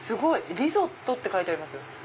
リゾットって書いてありますよ。